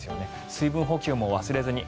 水分補給も忘れずに。